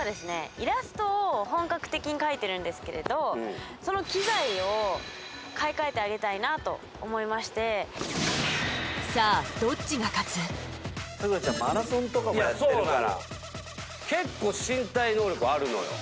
イラストを本格的に描いてるんですけれどその機材を買い替えてあげたいなと思いましてさあ咲楽ちゃんマラソンとかもやってるから結構身体能力あるのよ